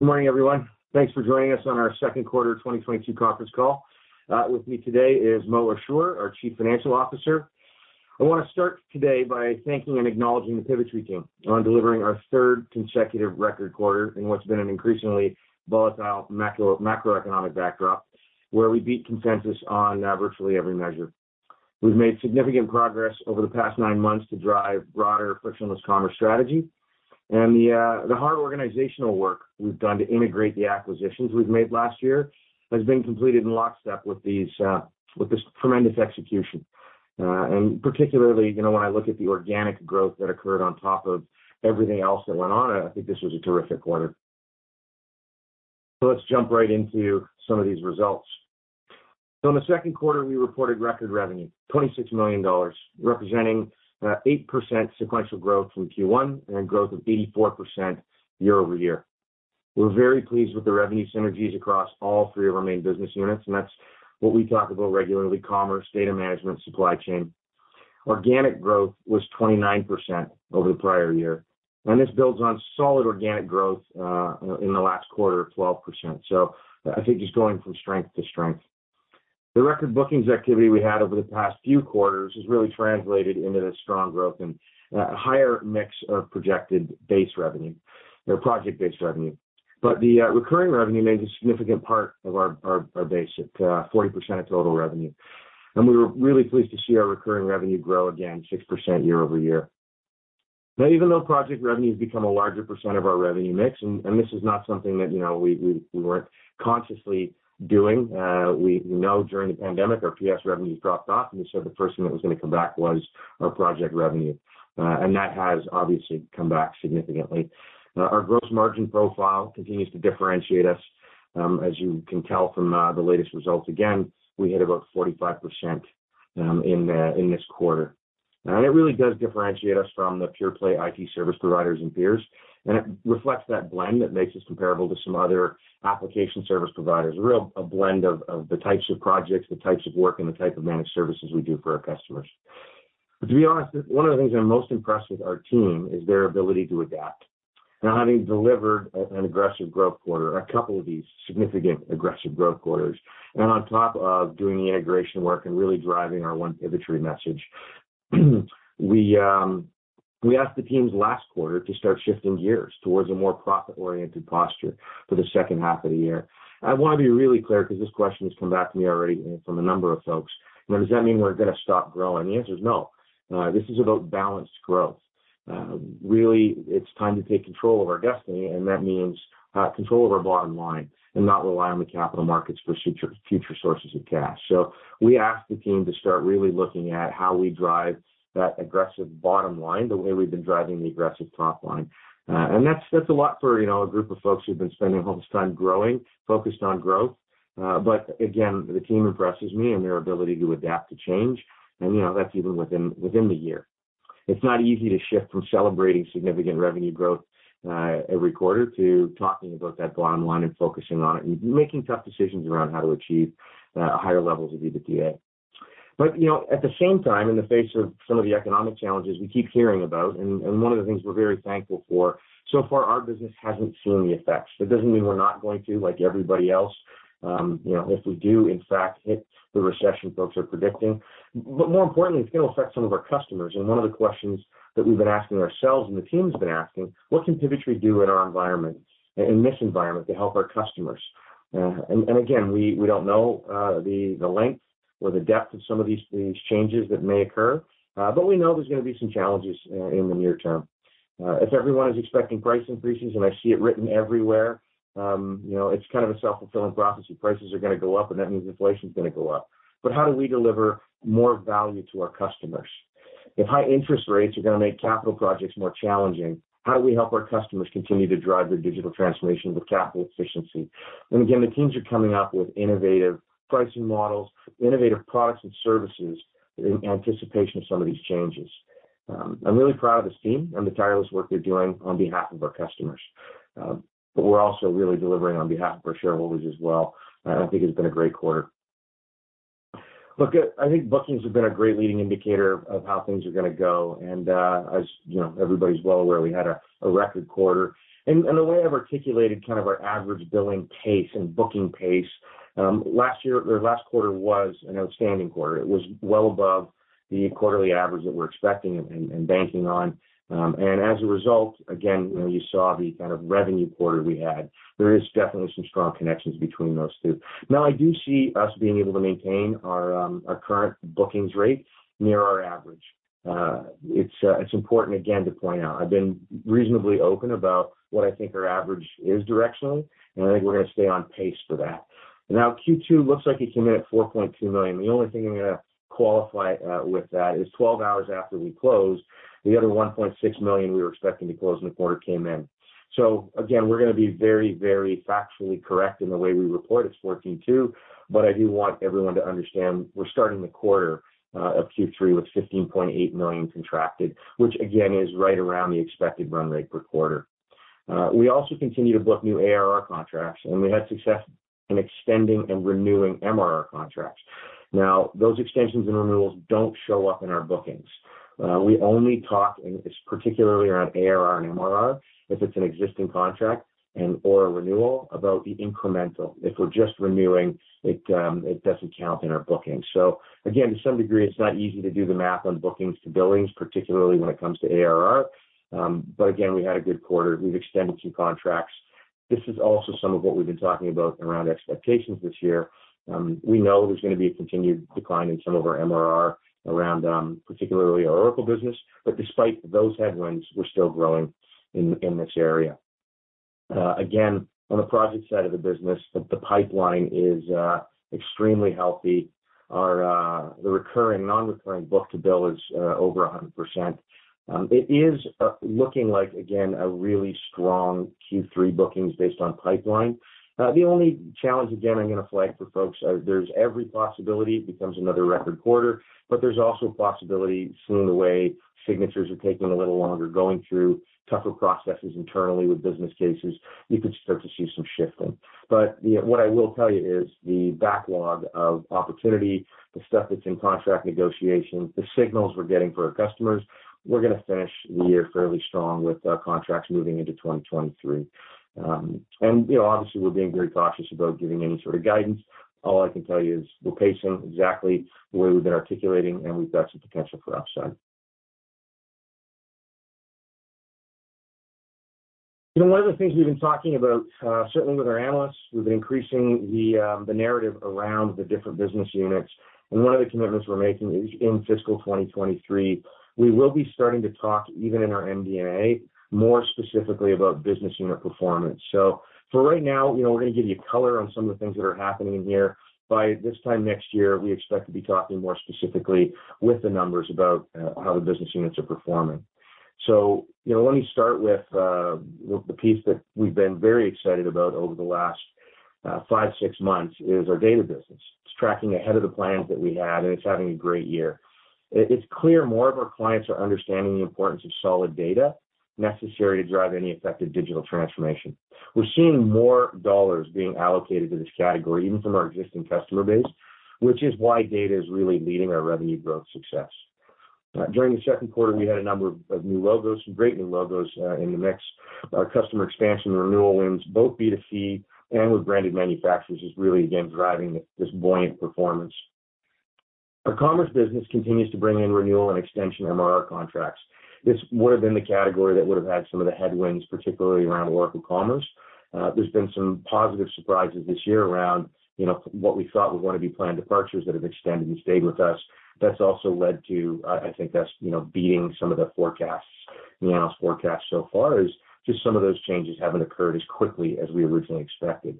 Good morning, everyone. Thanks for joining us on our second quarter 2022 conference call. With me today is Mo Ashoor, our Chief Financial Officer. I wanna start today by thanking and acknowledging the Pivotree team on delivering our third consecutive record quarter in what's been an increasingly volatile macroeconomic backdrop, where we beat consensus on virtually every measure. We've made significant progress over the past nine months to drive broader frictionless commerce strategy. The hard organizational work we've done to integrate the acquisitions we've made last year has been completed in lockstep with this tremendous execution. And particularly, you know, when I look at the organic growth that occurred on top of everything else that went on, I think this was a terrific quarter. Let's jump right into some of these results. In the second quarter, we reported record revenue, 26 million dollars, representing 8% sequential growth from Q1 and growth of 84% year-over-year. We're very pleased with the revenue synergies across all three of our main business units, and that's what we talk about regularly, commerce, data management, supply chain. Organic growth was 29% over the prior year, and this builds on solid organic growth in the last quarter of 12%. I think it's going from strength to strength. The record bookings activity we had over the past few quarters has really translated into this strong growth and higher mix of projected base revenue or project-based revenue. The recurring revenue made a significant part of our base at 40% of total revenue. We were really pleased to see our recurring revenue grow again 6% year-over-year. Now, even though project revenue has become a larger percent of our revenue mix, and this is not something that, you know, we weren't consciously doing. We know during the pandemic, our PS revenues dropped off, and so the first thing that was gonna come back was our project revenue. That has obviously come back significantly. Our gross margin profile continues to differentiate us. As you can tell from the latest results, again, we hit about 45% in this quarter. It really does differentiate us from the pure play IT service providers and peers, and it reflects that blend that makes us comparable to some other application service providers, a blend of the types of projects, the types of work, and the type of managed services we do for our customers. To be honest, one of the things I'm most impressed with our team is their ability to adapt. Now, having delivered an aggressive growth quarter, a couple of these significant aggressive growth quarters, and on top of doing the integration work and really driving our one Pivotree message, we asked the teams last quarter to start shifting gears towards a more profit-oriented posture for the second half of the year. I wanna be really clear because this question has come back to me already from a number of folks. Now, does that mean we're gonna stop growing? The answer is no. This is about balanced growth. Really, it's time to take control of our destiny, and that means control of our bottom line and not rely on the capital markets for future sources of cash. We ask the team to start really looking at how we drive that aggressive bottom line, the way we've been driving the aggressive top line. And that's a lot for, you know, a group of folks who've been spending all this time growing, focused on growth. But again, the team impresses me in their ability to adapt to change, and, you know, that's even within the year. It's not easy to shift from celebrating significant revenue growth every quarter to talking about that bottom line and focusing on it and making tough decisions around how to achieve higher levels of EBITDA. You know, at the same time, in the face of some of the economic challenges we keep hearing about, and one of the things we're very thankful for, so far our business hasn't seen the effects. That doesn't mean we're not going to like everybody else. You know, if we do, in fact, hit the recession folks are predicting. More importantly, it's gonna affect some of our customers. One of the questions that we've been asking ourselves and the team has been asking, what can Pivotree do in our environment, in this environment to help our customers? Again, we don't know the length or the depth of some of these changes that may occur, but we know there's gonna be some challenges in the near term. If everyone is expecting price increases, and I see it written everywhere, you know, it's kind of a self-fulfilling prophecy. Prices are gonna go up, and that means inflation is gonna go up. But how do we deliver more value to our customers? If high interest rates are gonna make capital projects more challenging, how do we help our customers continue to drive their digital transformation with capital efficiency? Again, the teams are coming up with innovative pricing models, innovative products and services in anticipation of some of these changes. I'm really proud of this team and the tireless work they're doing on behalf of our customers. We're also really delivering on behalf of our shareholders as well. I think it's been a great quarter. Look, I think bookings have been a great leading indicator of how things are gonna go. As you know, everybody's well aware, we had a record quarter. The way I've articulated kind of our average billing pace and booking pace, last year or last quarter was an outstanding quarter. It was well above the quarterly average that we're expecting and banking on. As a result, again, you know, you saw the kind of revenue quarter we had. There is definitely some strong connections between those two. Now, I do see us being able to maintain our current bookings rate near our average. It's important, again, to point out. I've been reasonably open about what I think our average is directionally, and I think we're gonna stay on pace for that. Now, Q2 looks like it came in at 4.2 million. The only thing I'm gonna qualify with that is twelve hours after we closed, the other 1.6 million we were expecting to close in the quarter came in. Again, we're gonna be very, very factually correct in the way we report it for Q2, but I do want everyone to understand we're starting the quarter of Q3 with 15.8 million contracted, which again, is right around the expected run rate per quarter. We also continue to book new ARR contracts, and we had success in extending and renewing MRR contracts. Now, those extensions and renewals don't show up in our bookings. We only talk, and it's particularly around ARR and MRR, if it's an existing contract and/or a renewal about the incremental. If we're just renewing, it doesn't count in our bookings. Again, to some degree, it's not easy to do the math on bookings to billings, particularly when it comes to ARR. Again, we had a good quarter. We've extended two contracts. This is also some of what we've been talking about around expectations this year. We know there's gonna be a continued decline in some of our MRR around, particularly our Oracle business. Despite those headwinds, we're still growing in this area. Again, on the project side of the business, the pipeline is extremely healthy. Our recurring non-recurring book-to-bill is over 100%. It is looking like, again, a really strong Q3 bookings based on pipeline. The only challenge, again, I'm gonna flag for folks, there's every possibility it becomes another record quarter, but there's also a possibility, seeing the way signatures are taking a little longer, going through tougher processes internally with business cases, you could start to see some shifting. You know, what I will tell you is the backlog of opportunity, the stuff that's in contract negotiations, the signals we're getting for our customers, we're gonna finish the year fairly strong with contracts moving into 2023. You know, obviously, we're being very cautious about giving any sort of guidance. All I can tell you is we're pacing exactly the way we've been articulating, and we've got some potential for upside. You know, one of the things we've been talking about, certainly with our analysts, we've been increasing the narrative around the different business units. One of the commitments we're making is in fiscal 2023, we will be starting to talk, even in our MD&A, more specifically about business unit performance. For right now, you know, we're gonna give you color on some of the things that are happening in here. By this time next year, we expect to be talking more specifically with the numbers about how the business units are performing. You know, let me start with the piece that we've been very excited about over the last five six months, is our data business. It's tracking ahead of the plans that we had, and it's having a great year. It's clear more of our clients are understanding the importance of solid data necessary to drive any effective digital transformation. We're seeing more dollars being allocated to this category, even from our existing customer base, which is why data is really leading our revenue growth success. During the second quarter, we had a number of new logos, some great new logos in the mix. Our customer expansion and renewal wins, both B2C and with branded manufacturers, is really, again, driving this buoyant performance. Our commerce business continues to bring in renewal and extension MRR contracts. This would have been the category that would have had some of the headwinds, particularly around Oracle Commerce. There's been some positive surprises this year around, you know, what we thought were gonna be planned departures that have extended and stayed with us. That's also led to, I think that's, you know, beating some of the forecasts, the analyst forecasts so far, is just some of those changes haven't occurred as quickly as we originally expected.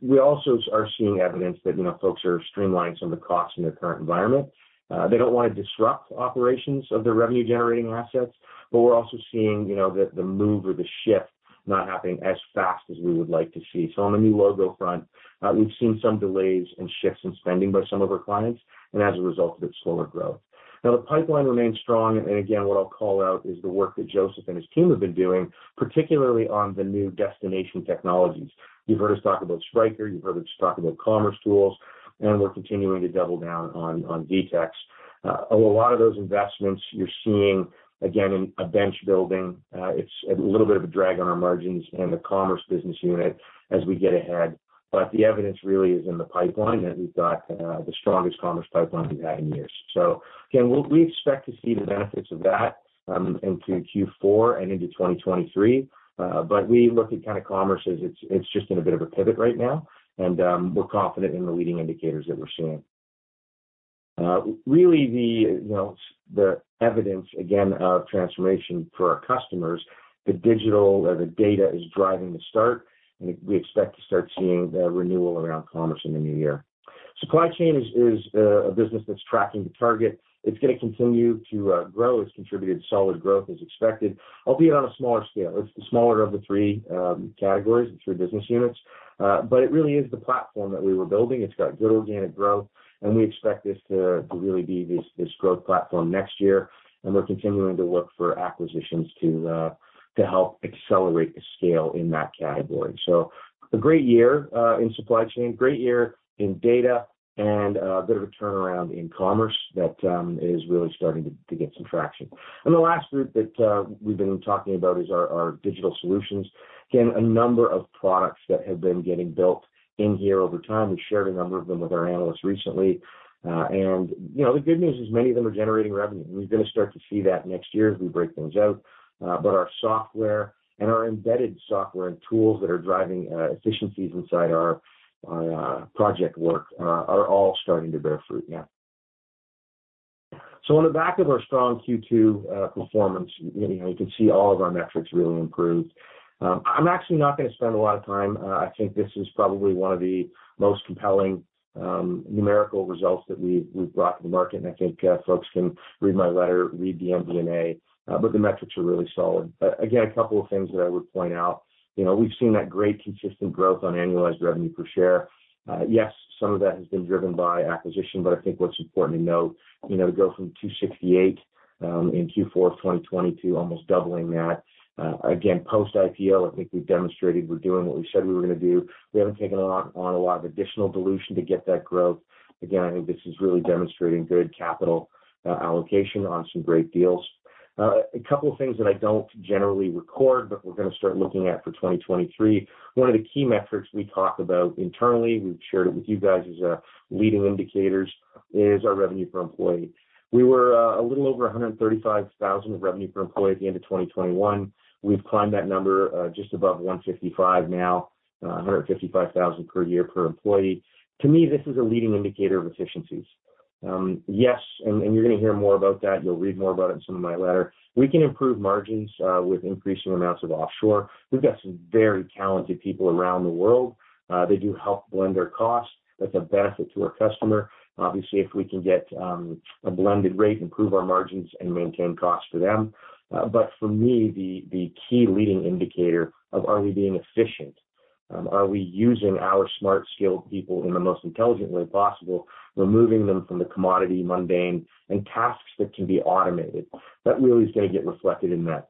We also are seeing evidence that, you know, folks are streamlining some of the costs in their current environment. They don't wanna disrupt operations of their revenue-generating assets, but we're also seeing, you know, the move or the shift not happening as fast as we would like to see. On the new logo front, we've seen some delays and shifts in spending by some of our clients, and as a result of it, slower growth. Now, the pipeline remains strong, and again, what I'll call out is the work that Joseph and his team have been doing, particularly on the new destination technologies. You've heard us talk about Spryker, you've heard us talk about commercetools, and we're continuing to double down on DTX. A lot of those investments you're seeing, again, in a bench building. It's a little bit of a drag on our margins in the commerce business unit as we get ahead. The evidence really is in the pipeline, that we've got the strongest commerce pipeline we've had in years. Again, we expect to see the benefits of that into Q4 and into 2023. We look at kinda commerce as it's just in a bit of a pivot right now, and we're confident in the leading indicators that we're seeing. Really the evidence, again, of transformation for our customers, the digital or the data is driving the start, and we expect to start seeing the renewal around commerce in the new year. Supply chain is a business that's tracking to target. It's gonna continue to grow. It's contributed solid growth as expected, albeit on a smaller scale. It's the smaller of the three categories and three business units. It really is the platform that we were building. It's got good organic growth, and we expect this to really be this growth platform next year, and we're continuing to look for acquisitions to help accelerate the scale in that category. A great year in supply chain, great year in data, and a bit of a turnaround in commerce that is really starting to get some traction. The last group that we've been talking about is our digital solutions. Again, a number of products that have been getting built in here over time. We've shared a number of them with our analysts recently. You know, the good news is many of them are generating revenue. We're gonna start to see that next year as we break things out. Our software and our embedded software and tools that are driving efficiencies inside our project work are all starting to bear fruit now. On the back of our strong Q2 performance, you know, you can see all of our metrics really improved. I'm actually not gonna spend a lot of time. I think this is probably one of the most compelling numerical results that we've brought to the market, and I think folks can read my letter, read the MD&A, but the metrics are really solid. Again, a couple of things that I would point out. You know, we've seen that great consistent growth on annualized revenue per share. Yes, some of that has been driven by acquisition, but I think what's important to note, you know, to go from 268 in Q4 of 2020 to almost doubling that, again, post IPO, I think we've demonstrated we're doing what we said we were gonna do. We haven't taken on a lot of additional dilution to get that growth. Again, I think this is really demonstrating good capital allocation on some great deals. A couple of things that I don't generally record, but we're gonna start looking at for 2023. One of the key metrics we talk about internally, we've shared it with you guys as leading indicators, is our revenue per employee. We were a little over 135,000 of revenue per employee at the end of 2021. We've climbed that number just above 155 now, 155,000 per year per employee. To me, this is a leading indicator of efficiencies. Yes, and you're gonna hear more about that, you'll read more about it in some of my letter. We can improve margins with increasing amounts of offshore. We've got some very talented people around the world. They do help blend our costs. That's a benefit to our customer, obviously, if we can get a blended rate, improve our margins, and maintain costs for them. But for me, the key leading indicator of are we being efficient, are we using our smart, skilled people in the most intelligent way possible, removing them from the commodity, mundane, and tasks that can be automated, that really is gonna get reflected in that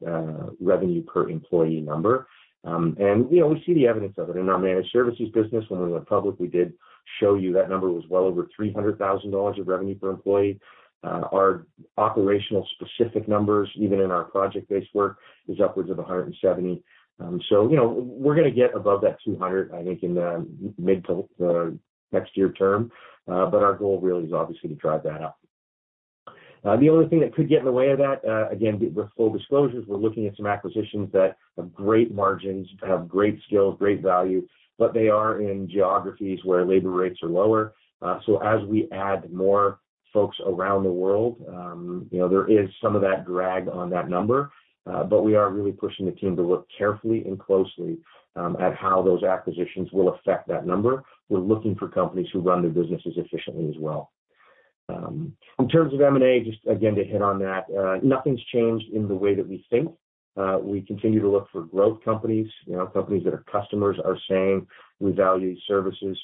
revenue per employee number. You know, we see the evidence of it. In our managed services business when we went public, we did show you that number was well over 300 thousand dollars of revenue per employee. Our operational specific numbers, even in our project-based work, is upwards of 170 thousand. You know, we're gonna get above that 200, I think, in the mid to the next year term. Our goal really is obviously to drive that up. The only thing that could get in the way of that, again, with full disclosure, is we're looking at some acquisitions that have great margins, have great skills, great value, but they are in geographies where labor rates are lower. As we add more folks around the world, you know, there is some of that drag on that number. We are really pushing the team to look carefully and closely at how those acquisitions will affect that number. We're looking for companies who run their businesses efficiently as well. In terms of M&A, just again to hit on that, nothing's changed in the way that we think. We continue to look for growth companies, you know, companies that our customers are saying we value services.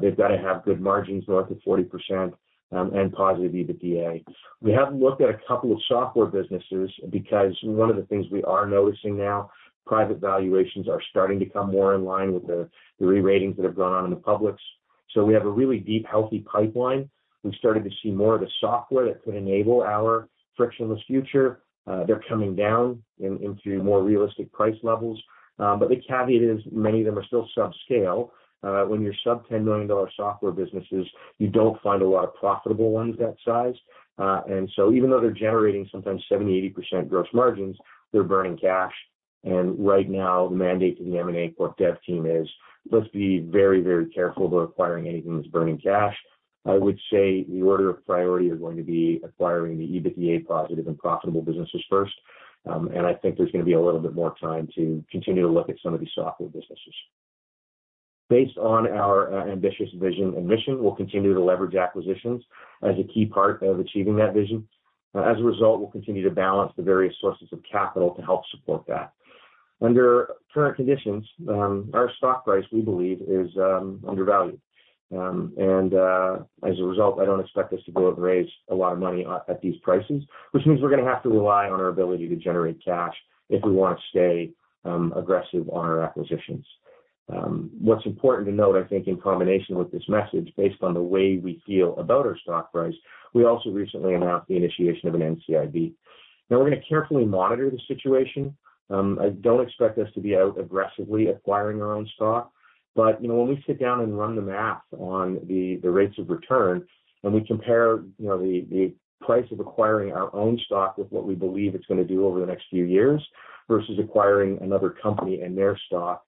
They've got to have good margins, north of 40%, and positive EBITDA. We have looked at a couple of software businesses because one of the things we are noticing now, private valuations are starting to come more in line with the re-ratings that have gone on in the publics. We have a really deep, healthy pipeline. We've started to see more of the software that could enable our frictionless future. They're coming down into more realistic price levels. But the caveat is many of them are still subscale. When you're sub 10 million dollar software businesses, you don't find a lot of profitable ones that size. Even though they're generating sometimes 70, 80% gross margins, they're burning cash. Right now, the mandate to the M&A corp dev team is let's be very, very careful about acquiring anything that's burning cash. I would say the order of priority is going to be acquiring the EBITDA positive and profitable businesses first. I think there's gonna be a little bit more time to continue to look at some of these software businesses. Based on our ambitious vision and mission, we'll continue to leverage acquisitions as a key part of achieving that vision. As a result, we'll continue to balance the various sources of capital to help support that. Under current conditions, our stock price, we believe, is undervalued. As a result, I don't expect us to go and raise a lot of money at these prices, which means we're gonna have to rely on our ability to generate cash if we want to stay aggressive on our acquisitions. What's important to note, I think, in combination with this message, based on the way we feel about our stock price, we also recently announced the initiation of an NCIB. Now we're gonna carefully monitor the situation. I don't expect us to be out aggressively acquiring our own stock. You know, when we sit down and run the math on the rates of return, when we compare, you know, the price of acquiring our own stock with what we believe it's gonna do over the next few years versus acquiring another company and their stock,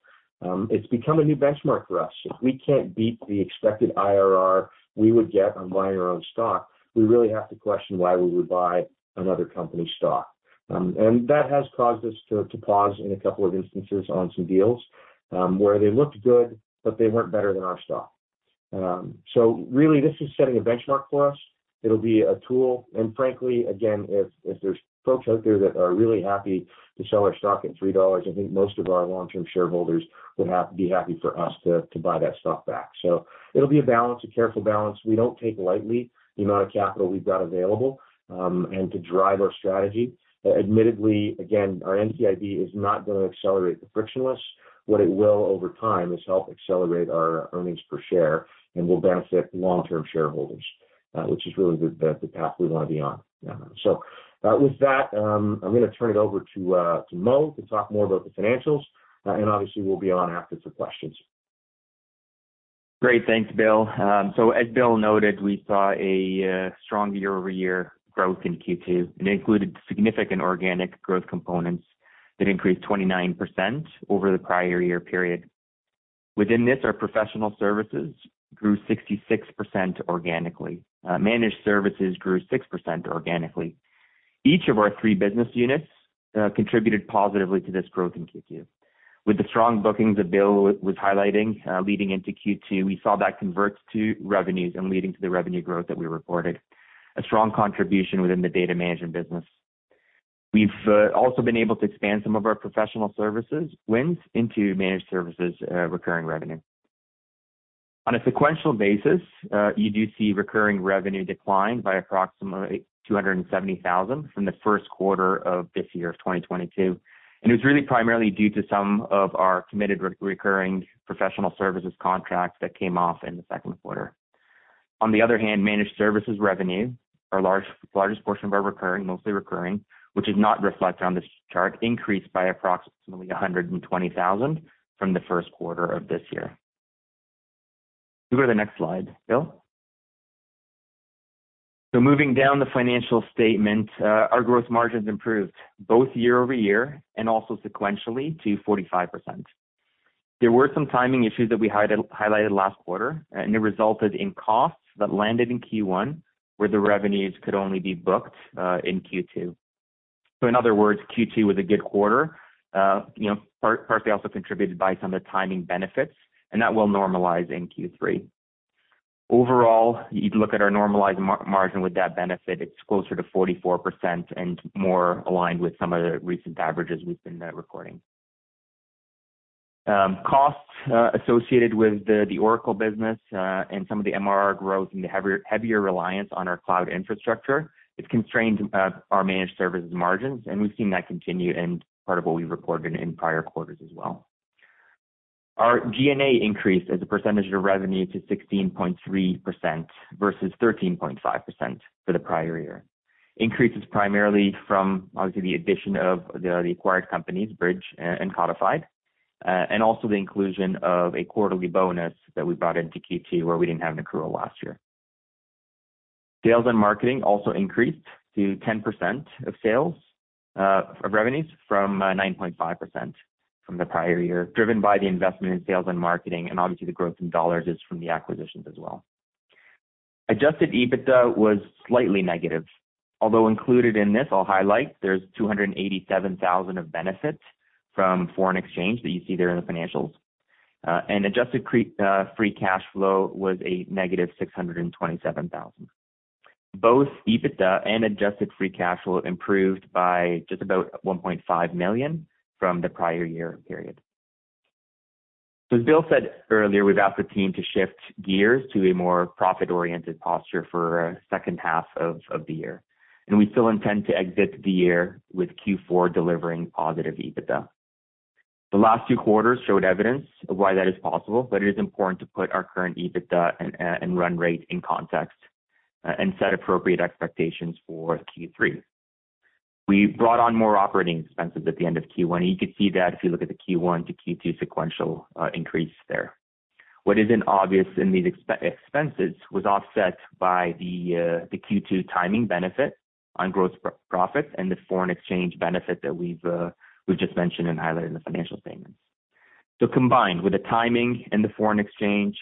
it's become a new benchmark for us. If we can't beat the expected IRR we would get on buying our own stock, we really have to question why we would buy another company's stock. That has caused us to pause in a couple of instances on some deals, where they looked good, but they weren't better than our stock. Really this is setting a benchmark for us. It'll be a tool, and frankly, again, if there's folks out there that are really happy to sell our stock at 3 dollars, I think most of our long-term shareholders would have to be happy for us to buy that stock back. It'll be a balance, a careful balance. We don't take lightly the amount of capital we've got available, and to drive our strategy. Admittedly, again, our NCIB is not gonna accelerate the frictionless. What it will over time is help accelerate our earnings per share and will benefit long-term shareholders, which is really the path we wanna be on. With that, I'm gonna turn it over to Mo to talk more about the financials. Obviously, we'll be on after for questions. Great. Thanks, Bill. As Bill noted, we saw a strong year-over-year growth in Q2, and it included significant organic growth components that increased 29% over the prior year period. Within this, our professional services grew 66% organically. Managed services grew 6% organically. Each of our three business units contributed positively to this growth in Q2. With the strong bookings that Bill was highlighting leading into Q2, we saw that convert to revenues and leading to the revenue growth that we reported, a strong contribution within the data management business. We've also been able to expand some of our professional services wins into managed services recurring revenue. On a sequential basis, you do see recurring revenue decline by approximately 270 thousand from the first quarter of this year of 2022, and it was really primarily due to some of our committed recurring professional services contracts that came off in the second quarter. On the other hand, managed services revenue, our largest portion of our recurring, mostly recurring, which is not reflected on this chart, increased by approximately 120 thousand from the first quarter of this year. Can we go to the next slide, Bill? Moving down the financial statement, our growth margins improved both year-over-year and also sequentially to 45%. There were some timing issues that we highlighted last quarter, and it resulted in costs that landed in Q1 where the revenues could only be booked in Q2. In other words, Q2 was a good quarter, you know, partly also contributed by some of the timing benefits and that will normalize in Q3. Overall, you'd look at our normalized margin with that benefit, it's closer to 44% and more aligned with some of the recent averages we've been recording. Costs associated with the Oracle business and some of the MRR growth and the heavier reliance on our cloud infrastructure, it's constrained our managed services margins, and we've seen that continue and part of what we've reported in prior quarters as well. Our G&A increased as a percentage of revenue to 16.3% versus 13.5% for the prior year. Increases primarily from obviously the addition of the acquired companies, Bridge and Codifyd, and also the inclusion of a quarterly bonus that we brought into Q2, where we didn't have an accrual last year. Sales and marketing also increased to 10% of sales, of revenues from 9.5% from the prior year, driven by the investment in sales and marketing and obviously the growth in dollars is from the acquisitions as well. Adjusted EBITDA was slightly negative. Although included in this, I'll highlight, there's 287,000 of benefits from foreign exchange that you see there in the financials. Adjusted free cash flow was -627,000. Both EBITDA and adjusted free cash flow improved by just about 1.5 million from the prior year period. As Bill said earlier, we've asked the team to shift gears to a more profit-oriented posture for second half of the year, and we still intend to exit the year with Q4 delivering positive EBITDA. The last two quarters showed evidence of why that is possible, but it is important to put our current EBITDA and run rate in context, and set appropriate expectations for Q3. We brought on more operating expenses at the end of Q1. You could see that if you look at the Q1 to Q2 sequential increase there. What isn't obvious in these expenses was offset by the Q2 timing benefit on gross profits and the foreign exchange benefit that we've just mentioned and highlighted in the financial statements. Combined with the timing and the foreign exchange,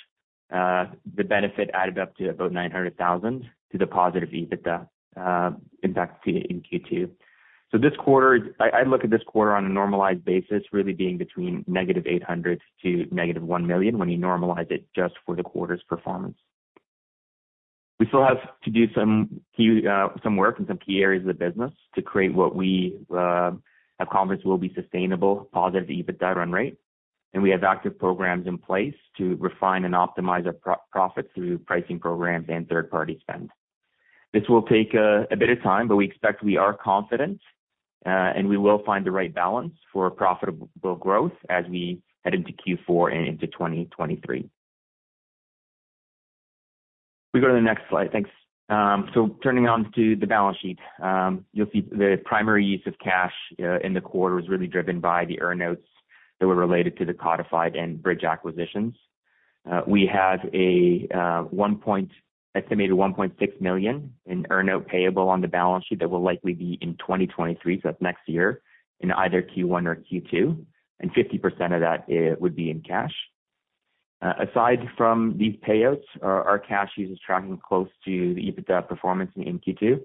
the benefit added up to about 900,000 to the positive EBITDA impact seen in Q2. This quarter, I look at this quarter on a normalized basis really being between -800,000 to -1 million when you normalize it just for the quarter's performance. We still have to do some key work in some key areas of the business to create what we have confidence will be sustainable, positive EBITDA run rate, and we have active programs in place to refine and optimize our profit through pricing programs and third-party spend. This will take a bit of time, but we expect we are confident, and we will find the right balance for profitable growth as we head into Q4 and into 2023. Can we go to the next slide? Thanks. Turning to the balance sheet. You'll see the primary use of cash in the quarter was really driven by the earn-outs that were related to the Codifyd and Bridge acquisitions. We have an estimated 1.6 million in earn-out payable on the balance sheet that will likely be in 2023, that's next year, in either Q1 or Q2, and 50% of that would be in cash. Aside from these payouts, our cash use is tracking close to the EBITDA performance in Q2.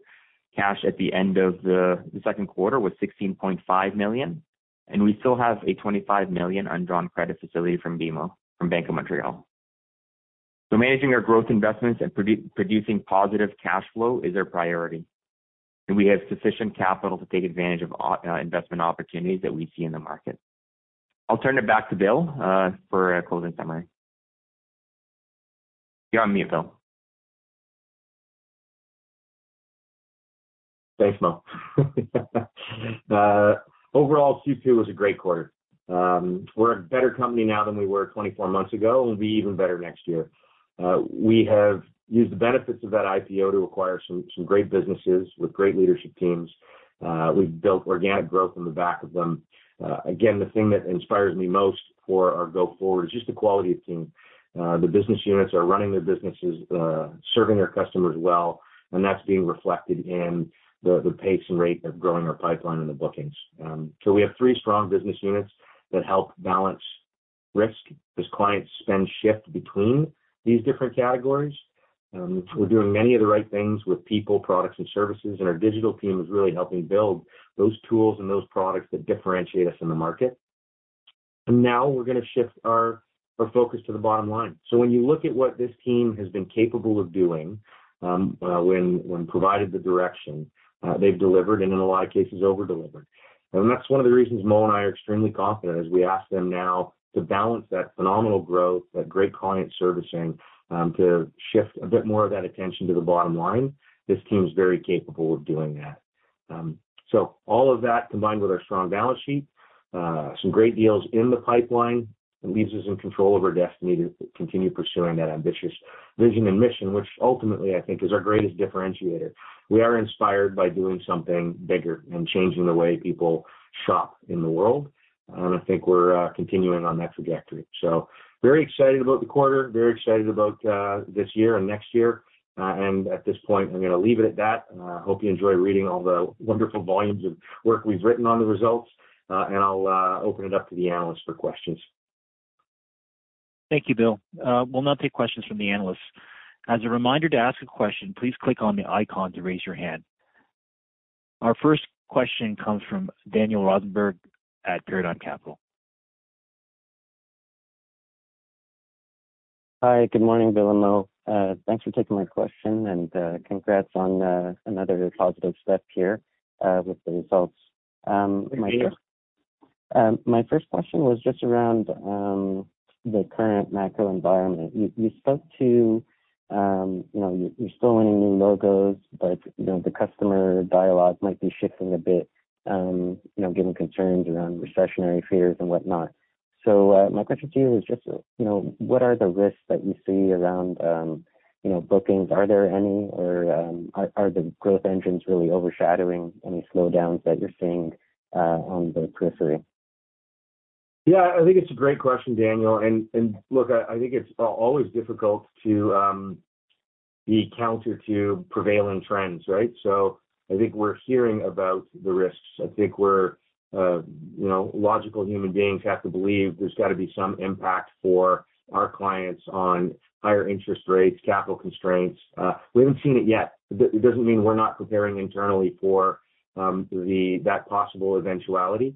Cash at the end of the second quarter was 16.5 million, and we still have a 25 million undrawn credit facility from BMO, from Bank of Montreal. Managing our growth investments and producing positive cash flow is our priority, and we have sufficient capital to take advantage of investment opportunities that we see in the market. I'll turn it back to Bill for a closing summary. You're on mute, Bill. Thanks, Mo. Overall, Q2 was a great quarter. We're a better company now than we were 24 months ago, and we'll be even better next year. We have used the benefits of that IPO to acquire some great businesses with great leadership teams. We've built organic growth on the back of them. Again, the thing that inspires me most for our go forward is just the quality of team. The business units are running their businesses, serving their customers well, and that's being reflected in the pace and rate of growing our pipeline and the bookings. We have three strong business units that help balance risk as clients' spending shifts between these different categories. We're doing many of the right things with people, products and services, and our digital team is really helping build those tools and those products that differentiate us in the market. Now we're gonna shift our focus to the bottom line. When you look at what this team has been capable of doing, when provided the direction, they've delivered and in a lot of cases over-delivered. That's one of the reasons Mo and I are extremely confident as we ask them now to balance that phenomenal growth, that great client servicing, to shift a bit more of that attention to the bottom line. This team's very capable of doing that. All of that combined with our strong balance sheet, some great deals in the pipeline, it leaves us in control of our destiny to continue pursuing that ambitious vision and mission, which ultimately, I think is our greatest differentiator. We are inspired by doing something bigger and changing the way people shop in the world, and I think we're continuing on that trajectory. Very excited about the quarter, very excited about this year and next year. At this point, I'm gonna leave it at that. Hope you enjoy reading all the wonderful volumes of work we've written on the results, and I'll open it up to the analysts for questions. Thank you, Bill. We'll now take questions from the analysts. As a reminder, to ask a question, please click on the icon to raise your hand. Our first question comes from Daniel Rosenberg at Paradigm Capital. Hi. Good morning, Bill and Mo. Thanks for taking my question, and congrats on another positive step here with the results. Thank you. My first question was just around the current macro environment. You spoke to you know, you're still winning new logos, but you know, the customer dialogue might be shifting a bit, you know, given concerns around recessionary fears and whatnot. My question to you is just you know, what are the risks that you see around you know, bookings? Are there any or are the growth engines really overshadowing any slowdowns that you're seeing on the periphery? Yeah, I think it's a great question, Daniel. Look, I think it's always difficult to be counter to prevailing trends, right? I think we're hearing about the risks. I think we're, you know, logical human beings have to believe there's gotta be some impact for our clients on higher interest rates, capital constraints. We haven't seen it yet. It doesn't mean we're not preparing internally for that possible eventuality.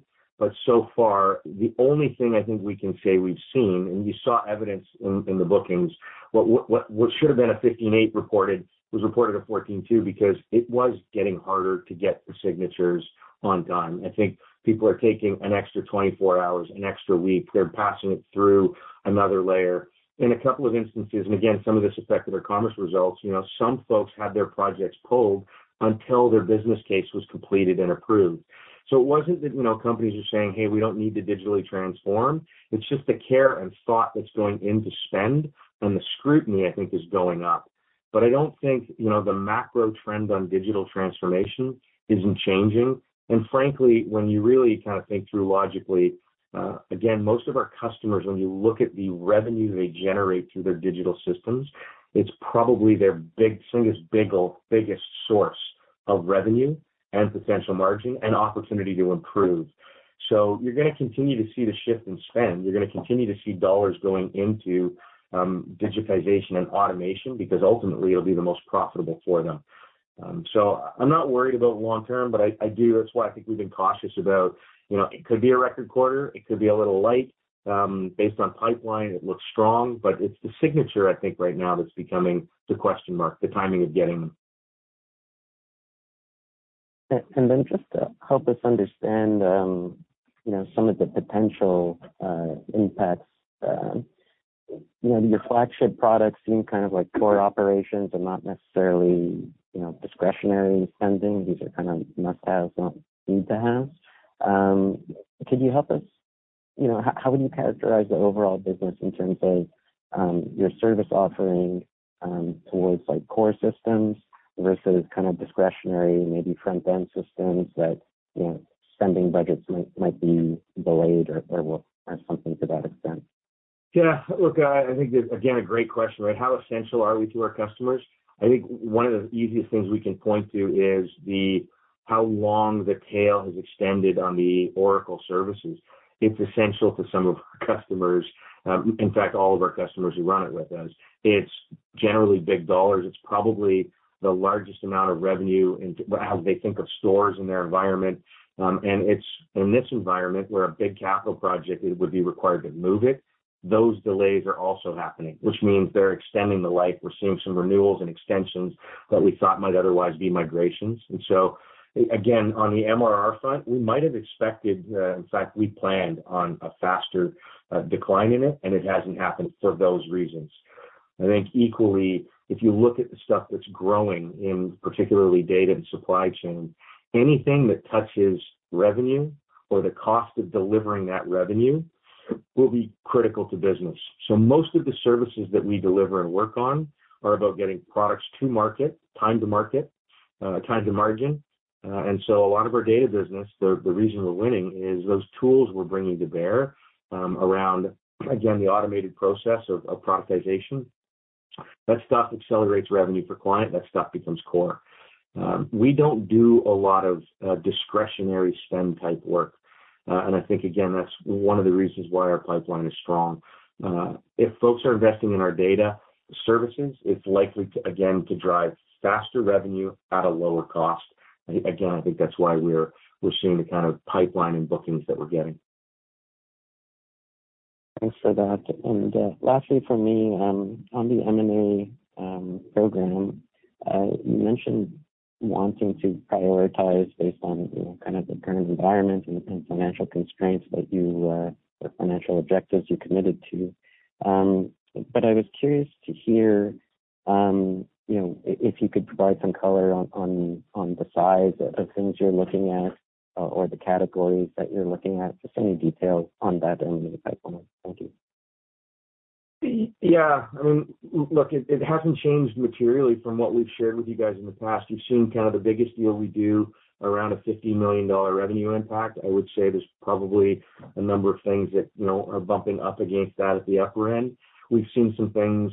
So far, the only thing I think we can say we've seen, and you saw evidence in the bookings, what should have been a 15.8 reported was reported a 14.2 because it was getting harder to get the signatures on time. I think people are taking an extra 24 hours, an extra week. They're passing it through another layer. In a couple of instances, and again, some of this affected our commerce results, you know, some folks had their projects pulled until their business case was completed and approved. It wasn't that, you know, companies are saying, "Hey, we don't need to digitally transform." It's just the care and thought that's going into spend, and the scrutiny, I think is going up. I don't think, you know, the macro trend on digital transformation isn't changing. Frankly, when you really kind of think through logically, again, most of our customers, when you look at the revenue they generate through their digital systems, it's probably their single biggest source of revenue and potential margin and opportunity to improve. You're gonna continue to see the shift in spend. You're gonna continue to see dollars going into digitization and automation because ultimately it'll be the most profitable for them. I'm not worried about long term, but I do. That's why I think we've been cautious about, you know, it could be a record quarter, it could be a little light. Based on pipeline, it looks strong, but it's the signing I think right now that's becoming the question mark, the timing of getting. Just to help us understand, you know, some of the potential impacts, you know, your flagship products seem kind of like core operations and not necessarily, you know, discretionary spending. These are kind of must-haves, not nice-to-haves. Could you help us, you know, how would you characterize the overall business in terms of your service offering towards like core systems versus kind of discretionary, maybe front-end systems that, you know, spending budgets might be delayed or will or something to that extent? Yeah. Look, I think it's again, a great question, right? How essential are we to our customers? I think one of the easiest things we can point to is how long the tail has extended on the Oracle services. It's essential to some of our customers, in fact, all of our customers who run it with us. It's generally big dollars. It's probably the largest amount of revenue into how they think of stores in their environment. It's in this environment where a big capital project would be required to move it. Those delays are also happening, which means they're extending the life. We're seeing some renewals and extensions that we thought might otherwise be migrations. Again, on the MRR front, we might have expected, in fact, we planned on a faster decline in it, and it hasn't happened for those reasons. I think equally, if you look at the stuff that's growing in particular, data and supply chain, anything that touches revenue or the cost of delivering that revenue will be critical to business. Most of the services that we deliver and work on are about getting products to market, time to market, time to margin. A lot of our data business, the reason we're winning is those tools we're bringing to bear around, again, the automated process of productization. That stuff accelerates revenue for client, that stuff becomes core. We don't do a lot of discretionary spend type work. I think again, that's one of the reasons why our pipeline is strong. If folks are investing in our data services, it's likely to again, to drive faster revenue at a lower cost. Again, I think that's why we're seeing the kind of pipeline and bookings that we're getting. Thanks for that. Lastly for me, on the M&A program, you mentioned wanting to prioritize based on, you know, kind of the current environment and financial constraints that you or financial objectives you're committed to. I was curious to hear. You know, if you could provide some color on the size of things you're looking at or the categories that you're looking at. Just any details on that only the pipeline. Thank you. Yeah. I mean, look, it hasn't changed materially from what we've shared with you guys in the past. You've seen kind of the biggest deal we do around 50 million dollar revenue impact. I would say there's probably a number of things that, you know, are bumping up against that at the upper end. We've seen some things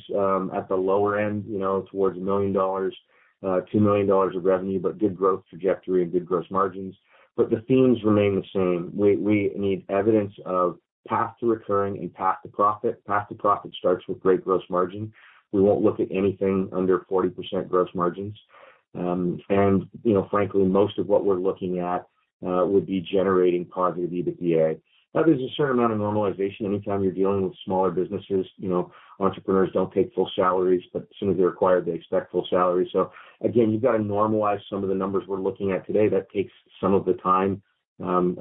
at the lower end, you know, towards 1 million dollars, 2 million dollars of revenue, but good growth trajectory and good gross margins. The themes remain the same. We need evidence of path to recurring and path to profit. Path to profit starts with great gross margin. We won't look at anything under 40% gross margins. And you know, frankly, most of what we're looking at would be generating positive EBITDA. Now, there's a certain amount of normalization anytime you're dealing with smaller businesses. You know, entrepreneurs don't take full salaries, but as soon as they're acquired, they expect full salary. Again, you've got to normalize some of the numbers we're looking at today. That takes some of the time,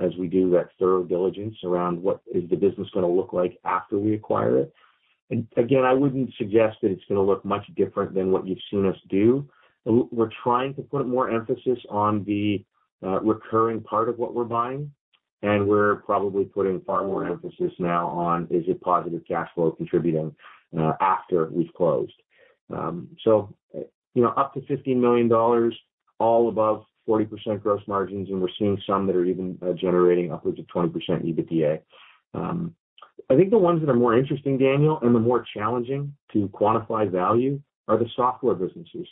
as we do that thorough diligence around what is the business gonna look like after we acquire it. Again, I wouldn't suggest that it's gonna look much different than what you've seen us do. We're trying to put more emphasis on the recurring part of what we're buying, and we're probably putting far more emphasis now on is it positive cash flow contributing, after we've closed. You know, up to 50 million dollars, all above 40% gross margins, and we're seeing some that are even generating upwards of 20% EBITDA. I think the ones that are more interesting, Daniel, and the more challenging to quantify value are the software businesses.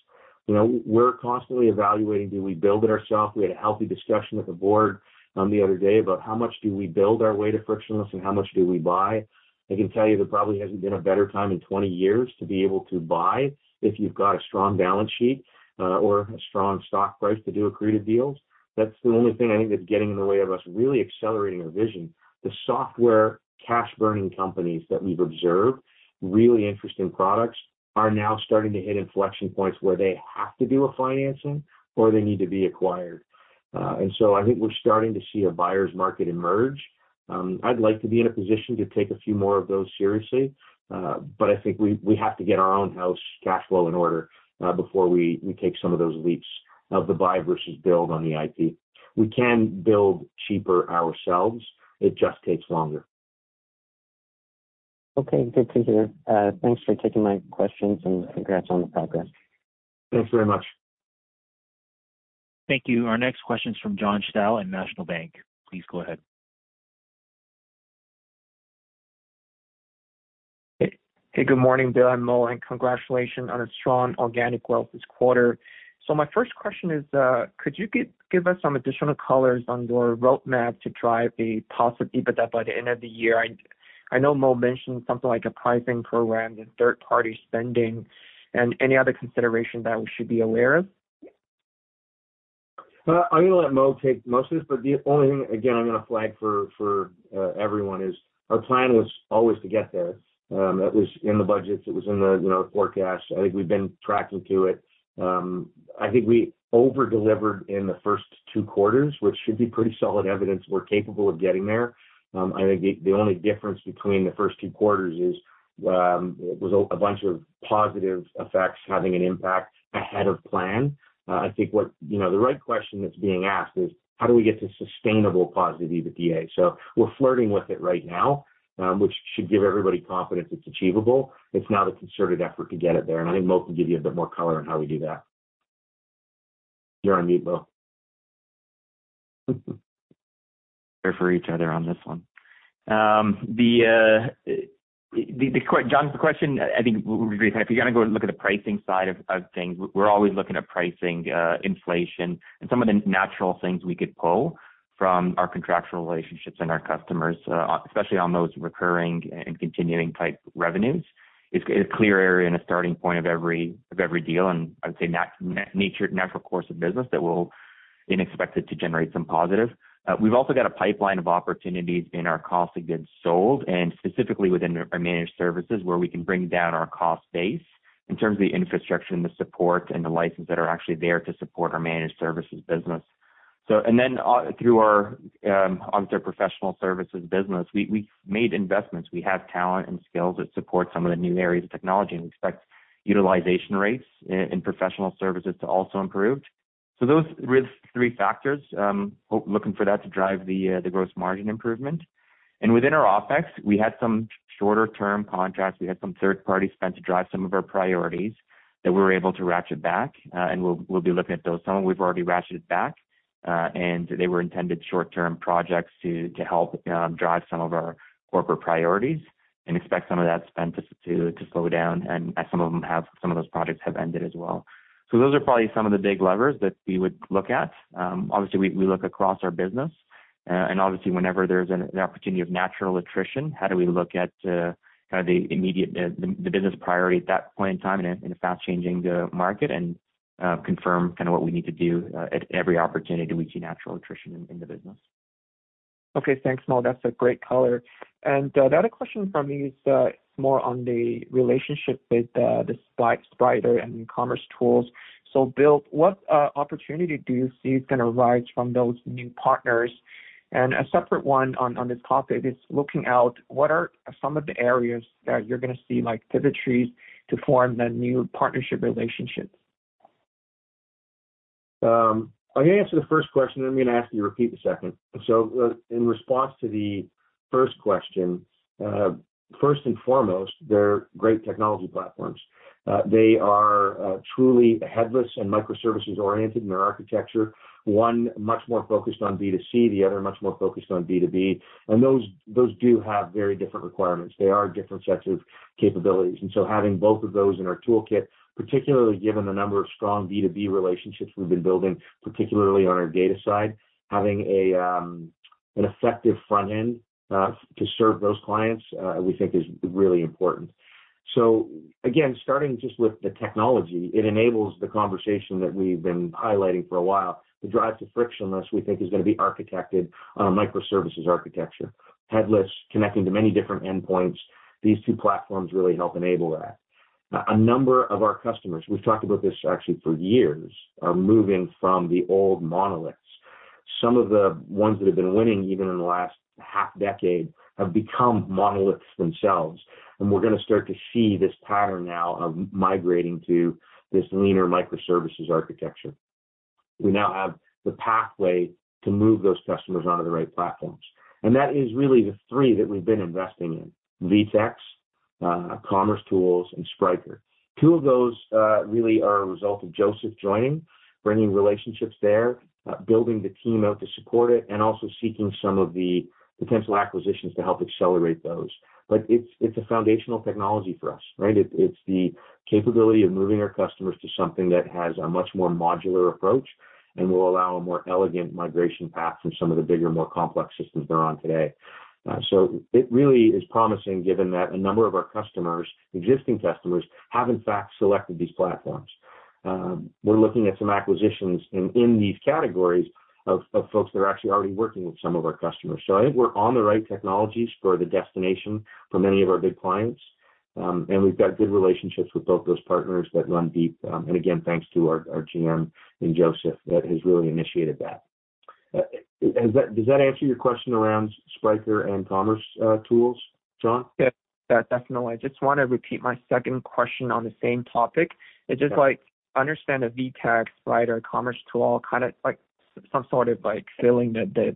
You know, we're constantly evaluating, do we build it ourself? We had a healthy discussion with the board, the other day about how much do we build our way to frictionless and how much do we buy. I can tell you there probably hasn't been a better time in 20 years to be able to buy if you've got a strong balance sheet, or a strong stock price to do accretive deals. That's the only thing I think that's getting in the way of us really accelerating our vision. The software cash burning companies that we've observed, really interesting products, are now starting to hit inflection points where they have to do a financing or they need to be acquired. I think we're starting to see a buyer's market emerge. I'd like to be in a position to take a few more of those seriously, but I think we have to get our own house cash flow in order, before we take some of those leaps of the buy versus build on the IT. We can build cheaper ourselves, it just takes longer. Okay. Good to hear. Thanks for taking my questions, and congrats on the progress. Thanks very much. Thank you. Our next question is from John Shao at National Bank. Please go ahead. Hey, good morning, Bill and Mo, and congratulations on a strong organic growth this quarter. My first question is, could you give us some additional colors on your roadmap to drive a positive EBITDA by the end of the year? I know Mo mentioned something like a pricing program and third-party spending, and any other consideration that we should be aware of. I'm gonna let Mo take most of this, but the only thing again I'm gonna flag for everyone is our plan was always to get there. That was in the budgets. It was in the, you know, forecasts. I think we've been tracking to it. I think we over-delivered in the first two quarters, which should be pretty solid evidence we're capable of getting there. I think the only difference between the first two quarters is it was a bunch of positive effects having an impact ahead of plan. I think you know, the right question that's being asked is how do we get to sustainable positive EBITDA. We're flirting with it right now, which should give everybody confidence it's achievable. It's now the concerted effort to get it there, and I think Mo can give you a bit more color on how we do that. You're on mute, Mo. There for each other on this one. John, the question, I think we can repeat. If you're gonna go look at the pricing side of things, we're always looking at pricing inflation and some of the natural things we could pull from our contractual relationships and our customers, especially on those recurring and continuing type revenues. It's a clear area and a starting point of every deal, and I'd say natural course of business that we'll be expected to generate some positive. We've also got a pipeline of opportunities in our cost of goods sold and specifically within our managed services, where we can bring down our cost base in terms of the infrastructure and the support and the license that are actually there to support our managed services business. Through our obviously our professional services business, we've made investments. We have talent and skills that support some of the new areas of technology, and we expect utilization rates in professional services to also improve. Those three risk factors looking for that to drive the gross margin improvement. Within our OpEx, we had some shorter-term contracts. We had some third-party spend to drive some of our priorities that we were able to ratchet back. We'll be looking at those. Some of them we've already ratcheted back, and they were intended short-term projects to help drive some of our corporate priorities and expect some of that spend to slow down and some of those projects have ended as well. Those are probably some of the big levers that we would look at. Obviously, we look across our business. Obviously, whenever there's an opportunity of natural attrition, how do we look at kind of the immediate, the business priority at that point in time in a fast-changing market, and confirm kinda what we need to do at every opportunity we see natural attrition in the business. Okay. Thanks, Mo. That's a great color. The other question from me is more on the relationship with the Spryker and commercetools. Bill, what opportunity do you see is gonna arise from those new partners? A separate one on this topic is looking out what are some of the areas that you're gonna see, like, Pivotree's to form the new partnership relationship? I'm gonna answer the first question, and I'm gonna ask you to repeat the second. In response to the first question, first and foremost, they're great technology platforms. They are truly headless and microservices-oriented in their architecture. One much more focused on B2C, the other much more focused on B2B. Those do have very different requirements. They are different sets of capabilities. Having both of those in our toolkit, particularly given the number of strong B2B relationships we've been building, particularly on our data side, having an effective front end to serve those clients, we think is really important. Again, starting just with the technology, it enables the conversation that we've been highlighting for a while. The drive to frictionless, we think, is gonna be architected on a microservices architecture, headless, connecting to many different endpoints. These two platforms really help enable that. A number of our customers, we've talked about this actually for years, are moving from the old monoliths. Some of the ones that have been winning even in the last half decade have become monoliths themselves. We're gonna start to see this pattern now of migrating to this leaner microservices architecture. We now have the pathway to move those customers onto the right platforms, and that is really the three that we've been investing in: VTEX, commercetools, and Spryker. Two of those really are a result of Joseph joining, bringing relationships there, building the team out to support it, and also seeking some of the potential acquisitions to help accelerate those. It's a foundational technology for us, right? It's the capability of moving our customers to something that has a much more modular approach and will allow a more elegant migration path from some of the bigger, more complex systems they're on today. It really is promising given that a number of our customers, existing customers, have in fact selected these platforms. We're looking at some acquisitions in these categories of folks that are actually already working with some of our customers. I think we're on the right technologies for the destination for many of our big clients, and we've got good relationships with both those partners that run deep. Again, thanks to our GM in Joseph that has really initiated that. Does that answer your question around Spryker and commercetools, John? Yeah, definitely. I just want to repeat my second question on the same topic. Yeah. It's just like, understand the VTEX, Spryker, commercetools, all kind of like some sort of like filling the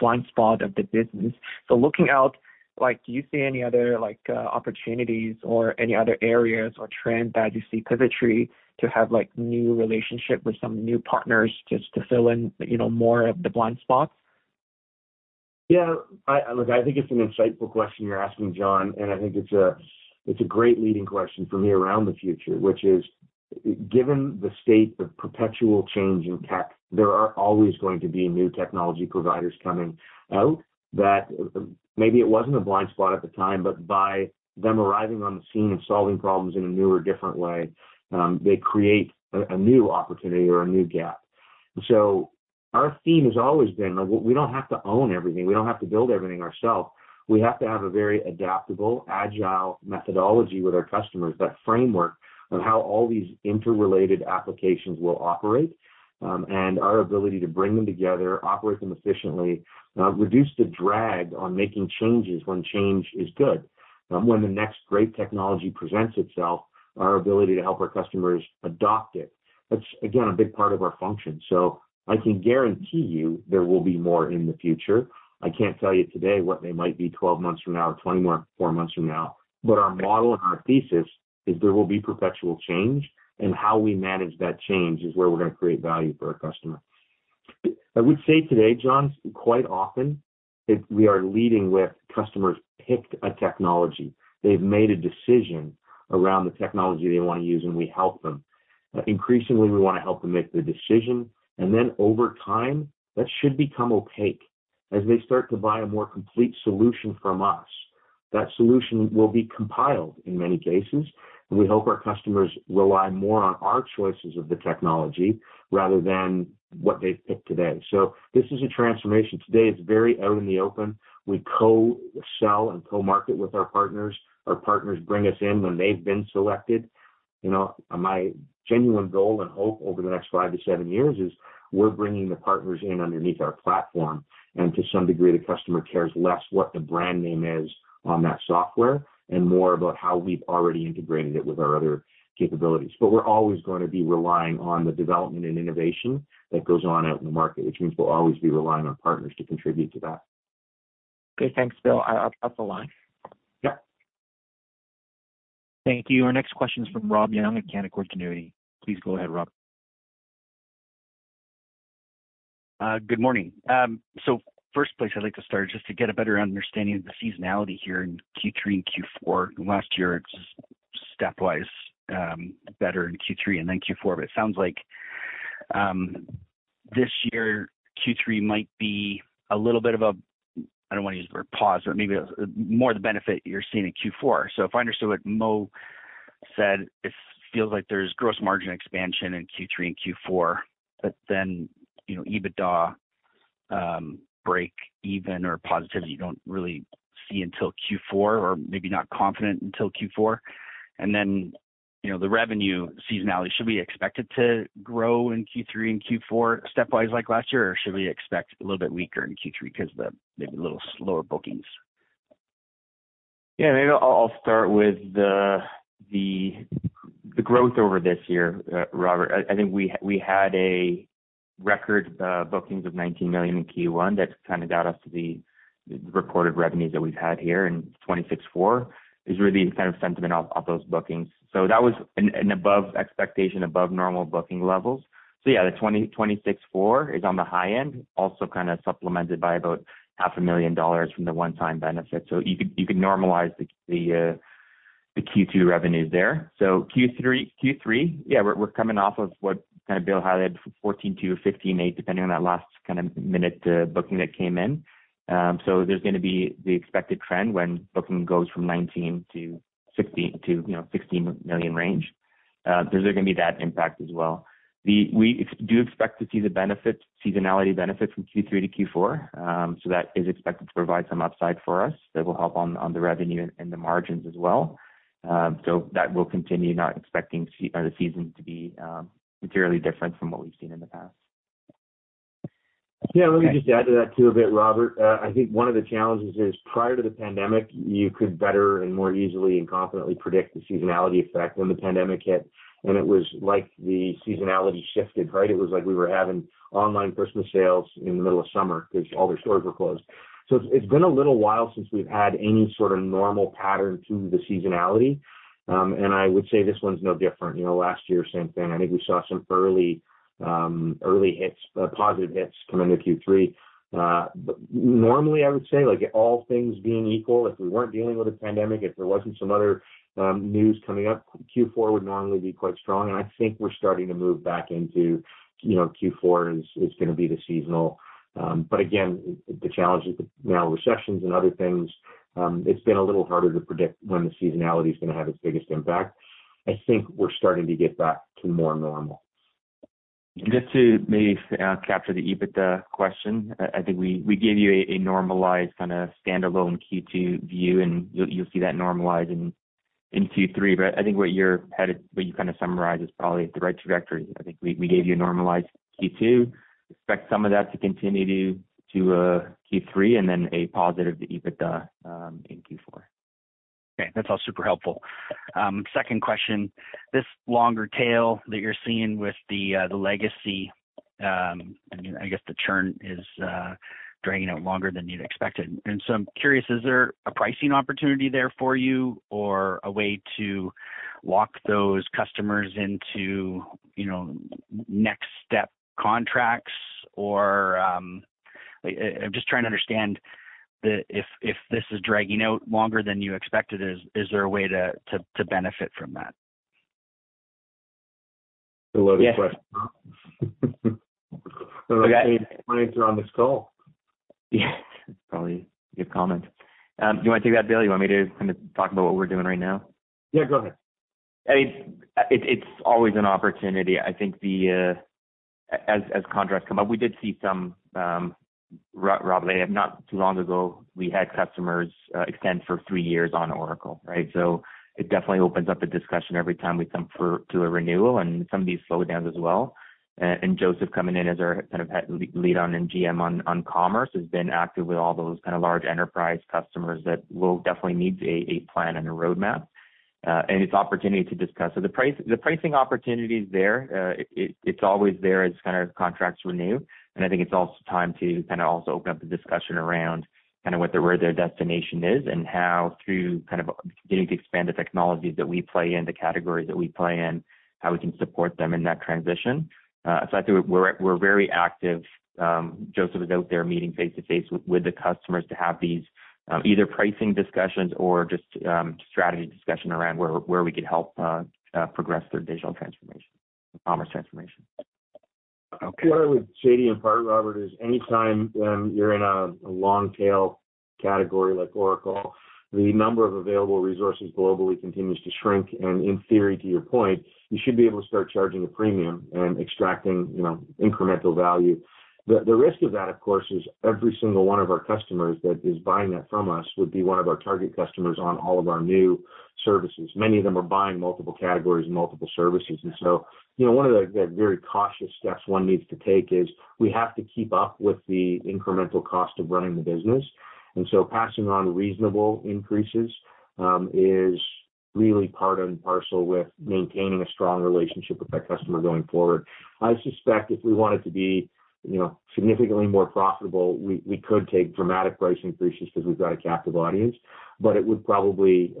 blind spot of the business. Looking out, like do you see any other like, opportunities or any other areas or trend that you see Pivotree to have like new relationship with some new partners just to fill in, you know, more of the blind spots? Yeah. Look, I think it's an insightful question you're asking, John, and I think it's a great leading question for me around the future, which is, given the state of perpetual change in tech, there are always going to be new technology providers coming out that maybe it wasn't a blind spot at the time, but by them arriving on the scene and solving problems in a new or different way, they create a new opportunity or a new gap. Our theme has always been like, we don't have to own everything. We don't have to build everything ourselves. We have to have a very adaptable, agile methodology with our customers. That framework of how all these interrelated applications will operate, and our ability to bring them together, operate them efficiently, reduce the drag on making changes when change is good. When the next great technology presents itself, our ability to help our customers adopt it, that's again, a big part of our function. I can guarantee you there will be more in the future. I can't tell you today what they might be 12 months from now or 24 months from now, but our model and our thesis is there will be perpetual change, and how we manage that change is where we're gonna create value for our customer. I would say today, John, quite often if we are leading with customers picked a technology, they've made a decision around the technology they want to use, and we help them. Increasingly, we want to help them make the decision, and then over time, that should become opaque. As they start to buy a more complete solution from us, that solution will be compiled in many cases, and we hope our customers rely more on our choices of the technology rather than what they've picked today. This is a transformation. Today, it's very out in the open. We co-sell and co-market with our partners. Our partners bring us in when they've been selected. You know, my genuine goal and hope over the next five to seven years is we're bringing the partners in underneath our platform, and to some degree, the customer cares less what the brand name is on that software and more about how we've already integrated it with our other capabilities. We're always gonna be relying on the development and innovation that goes on out in the market, which means we'll always be relying on partners to contribute to that. Okay. Thanks, Bill. I'll pass the line. Yeah. Thank you. Our next question is from Robert Young at Canaccord Genuity. Please go ahead, Rob. Good morning. First place I'd like to start just to get a better understanding of the seasonality here in Q3 and Q4. Last year, it's stepwise better in Q3 and then Q4, but it sounds like this year, Q3 might be a little bit of a, I don't want to use the word pause, but maybe more of the benefit you're seeing in Q4. If I understand what Mo said, it feels like there's gross margin expansion in Q3 and Q4, but then, you know, EBITDA break-even or positive you don't really see until Q4 or maybe not confident until Q4. You know, the revenue seasonality, should we expect it to grow in Q3 and Q4 stepwise like last year, or should we expect a little bit weaker in Q3 because maybe a little slower bookings? Yeah, maybe I'll start with the growth over this year, Rob. I think we had a record bookings of 19 million in Q1 that kind of got us to the reported revenues that we've had here in 26.4 million. That is really kind of stemming from those bookings. That was an above expectation, above normal booking levels. Yeah, the 26.4 million is on the high end, also kind of supplemented by about half a million dollars from the one-time benefit. You could normalize the Q2 revenues there. Q3, yeah, we're coming off of what kind of Bill highlighted, 14.2 million or 15.8 million, depending on that last-minute booking that came in. There's gonna be the expected trend when booking goes from 19.6 million to, you know, 16 million range. There's gonna be that impact as well. We do expect to see the benefit, seasonality benefit from Q3 to Q4. That is expected to provide some upside for us that will help on the revenue and the margins as well. That will continue, not expecting the season to be materially different from what we've seen in the past. Yeah, let me just add to that too a bit, Robert. I think one of the challenges is prior to the pandemic, you could better and more easily and confidently predict the seasonality effect. When the pandemic hit and it was like the seasonality shifted, right? It was like we were having online Christmas sales in the middle of summer 'cause all their stores were closed. It's been a little while since we've had any sort of normal pattern to the seasonality. And I would say this one's no different. You know, last year, same thing. I think we saw some early positive hits come into Q3. But normally, I would say like all things being equal, if we weren't dealing with a pandemic, if there wasn't some other news coming up, Q4 would normally be quite strong. I think we're starting to move back into, you know, Q4 is gonna be the seasonal. But again, the challenges with macro recessions and other things, it's been a little harder to predict when the seasonality is gonna have its biggest impact. I think we're starting to get back to more normal. Just to maybe capture the EBITDA question, I think we gave you a normalized kind of standalone Q2 view, and you'll see that normalize in Q3. I think what you kind of summarized is probably the right trajectory. I think we gave you a normalized Q2. Expect some of that to continue to Q3, and then a positive to EBITDA in Q4. Okay. That's all super helpful. Second question. This longer tail that you're seeing with the legacy and I guess the churn is dragging out longer than you'd expected. I'm curious, is there a pricing opportunity there for you or a way to walk those customers into, you know, next step contracts or. I'm just trying to understand if this is dragging out longer than you expected, is there a way to benefit from that? It's a loaded question. Okay. The right clients are on this call. Yeah. Probably good comment. Do you wanna take that, Bill? You want me to kind of talk about what we're doing right now? Yeah, go ahead. It's always an opportunity. I think as contracts come up, we did see some, Robert, not too long ago, we had customers extend for three years on Oracle, right? It definitely opens up a discussion every time we come to a renewal and some of these slowdowns as well. Joseph coming in as our kind of head lead on and GM on commerce has been active with all those kind of large enterprise customers that will definitely need a plan and a roadmap, and it's opportunity to discuss. The pricing opportunity is there. It's always there as kind of contracts renew. I think it's also time to kind of also open up the discussion around kind of what their, where their destination is and how through kind of beginning to expand the technologies that we play in, the categories that we play in, how we can support them in that transition. I think we're very active. Joseph is out there meeting face to face with the customers to have these, either pricing discussions or just, strategy discussion around where we could help progress their digital transformation, commerce transformation. Okay. Partly with JD and partly Rob is anytime you're in a long tail category like Oracle, the number of available resources globally continues to shrink. In theory, to your point, you should be able to start charging a premium and extracting, you know, incremental value. The risk of that, of course, is every single one of our customers that is buying that from us would be one of our target customers on all of our new services. Many of them are buying multiple categories and multiple services. You know, one of the very cautious steps one needs to take is we have to keep up with the incremental cost of running the business. Passing on reasonable increases is really part and parcel with maintaining a strong relationship with that customer going forward. I suspect if we wanted to be, you know, significantly more profitable, we could take dramatic price increases because we've got a captive audience, but it would probably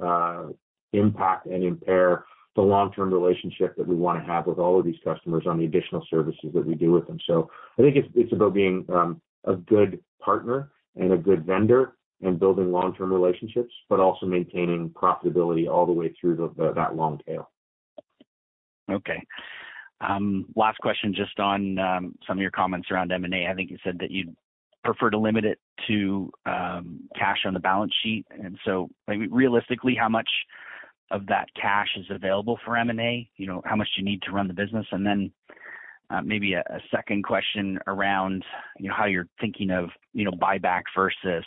impact and impair the long-term relationship that we wanna have with all of these customers on the additional services that we do with them. I think it's about being a good partner and a good vendor and building long-term relationships, but also maintaining profitability all the way through the long tail. Okay. Last question, just on some of your comments around M&A. I think you said that you'd prefer to limit it to cash on the balance sheet. I mean, realistically, how much of that cash is available for M&A? You know, how much do you need to run the business? Then maybe a second question around, you know, how you're thinking of, you know, buyback versus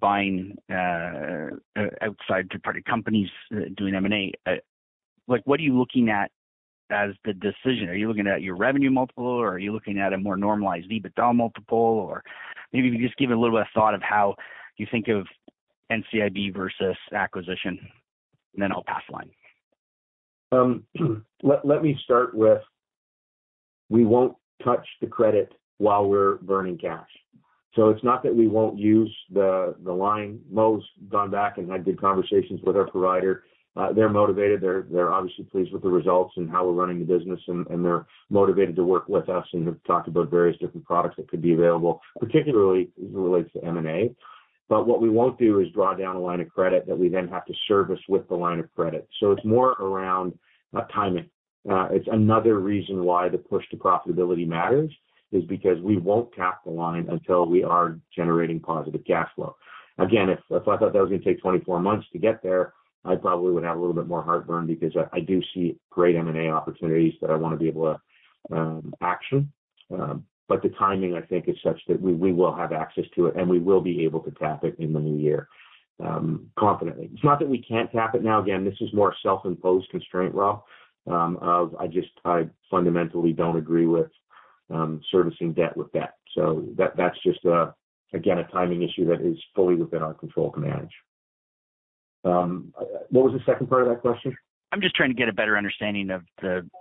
buying outside third-party companies doing M&A. Like what are you looking at as the decision? Are you looking at your revenue multiple or are you looking at a more normalized EBITDA multiple? Or maybe if you just give it a little bit of thought of how you think of NCIB versus acquisition, then I'll pass the line. Let me start with. We won't touch the credit while we're burning cash. It's not that we won't use the line. Mo's gone back and had good conversations with our provider. They're motivated, they're obviously pleased with the results and how we're running the business and they're motivated to work with us and have talked about various different products that could be available, particularly as it relates to M&A. What we won't do is draw down a line of credit that we then have to service with the line of credit. It's more around timing. It's another reason why the push to profitability matters is because we won't tap the line until we are generating positive cash flow. Again, if I thought that was gonna take 24 months to get there, I probably would have a little bit more heartburn because I do see great M&A opportunities that I wanna be able to action. The timing, I think, is such that we will have access to it and we will be able to tap it in the new year confidently. It's not that we can't tap it now. Again, this is more self-imposed constraint, Rob, of I fundamentally don't agree with servicing debt with debt. That's just again a timing issue that is fully within our control to manage. What was the second part of that question? I'm just trying to get a better understanding of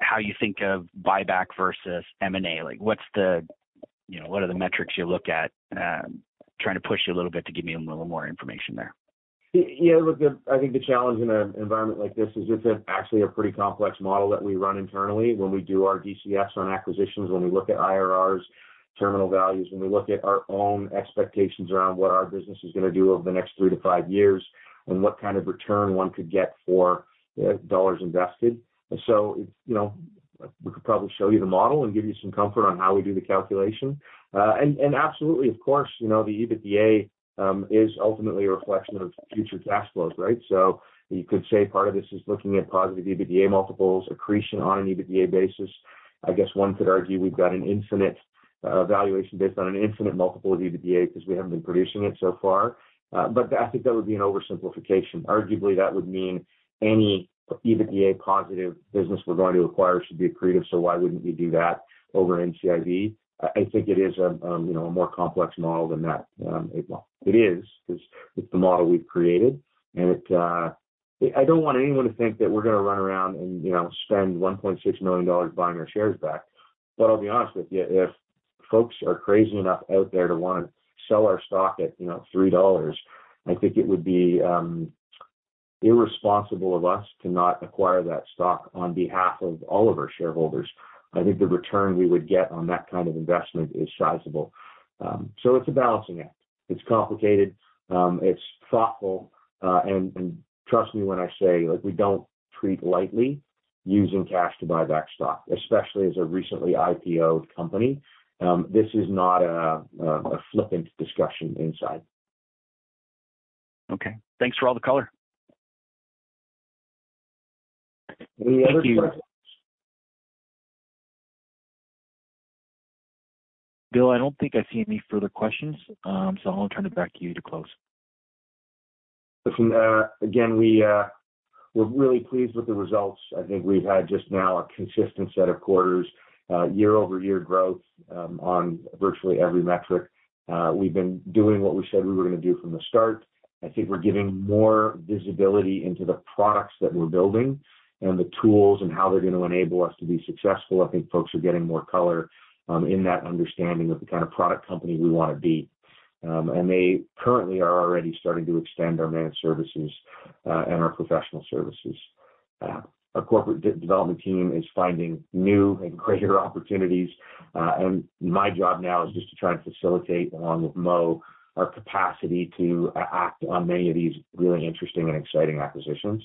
how you think of buyback versus M&A. Like, what's the, you know, what are the metrics you look at? Trying to push you a little bit to give me a little more information there. Yeah, look, I think the challenge in an environment like this is it's actually a pretty complex model that we run internally when we do our DCF on acquisitions, when we look at IRRs terminal values, when we look at our own expectations around what our business is gonna do over the next three to five years, and what kind of return one could get for dollars invested. You know, we could probably show you the model and give you some comfort on how we do the calculation. And absolutely, of course, you know, the EBITDA is ultimately a reflection of future cash flows, right? You could say part of this is looking at positive EBITDA multiples accretion on an EBITDA basis. I guess one could argue we've got an infinite valuation based on an infinite multiple of EBITDA 'cause we haven't been producing it so far. I think that would be an oversimplification. Arguably, that would mean any EBITDA positive business we're going to acquire should be accretive, so why wouldn't we do that over NCIB? I think it is a you know, a more complex model than that. It is 'cause it's the model we've created and it. I don't want anyone to think that we're gonna run around and, you know, spend 1.6 million dollars buying our shares back. I'll be honest with you, if folks are crazy enough out there to wanna sell our stock at, you know, 3 dollars, I think it would be irresponsible of us to not acquire that stock on behalf of all of our shareholders. I think the return we would get on that kind of investment is sizable. It's a balancing act. It's complicated. It's thoughtful. Trust me when I say, like, we don't treat lightly using cash to buy back stock, especially as a recently IPO'd company. This is not a flippant discussion inside. Okay. Thanks for all the color. Any other questions? Bill, I don't think I see any further questions, so I'll turn it back to you to close. Listen, again, we're really pleased with the results. I think we've had just now a consistent set of quarters, year-over-year growth, on virtually every metric. We've been doing what we said we were gonna do from the start. I think we're giving more visibility into the products that we're building and the tools and how they're gonna enable us to be successful. I think folks are getting more color, in that understanding of the kind of product company we wanna be. They currently are already starting to extend our managed services, and our professional services. Our corporate development team is finding new and greater opportunities. My job now is just to try and facilitate, along with Mo, our capacity to act on many of these really interesting and exciting acquisitions.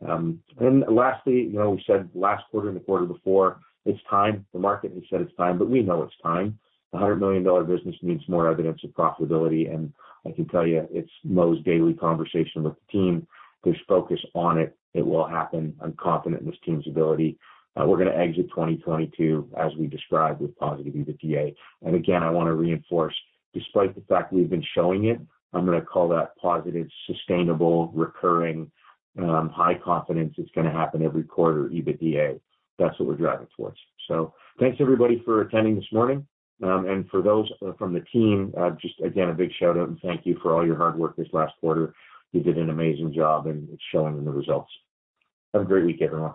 Lastly, you know, we said last quarter and the quarter before, it's time. The market has said it's time, but we know it's time. A 100 million dollar business needs more evidence of profitability, and I can tell you it's Mo's daily conversation with the team. There's focus on it. It will happen. I'm confident in this team's ability. We're gonna exit 2022 as we described, with positive EBITDA. Again, I wanna reinforce, despite the fact we've been showing it, I'm gonna call that positive, sustainable, recurring, high confidence it's gonna happen every quarter EBITDA. That's what we're driving towards. Thanks everybody for attending this morning. For those from the team, just again, a big shout-out and thank you for all your hard work this last quarter. You did an amazing job and it's showing in the results. Have a great week, everyone.